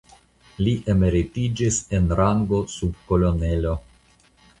Li emeritiĝis en rango subkolonelo.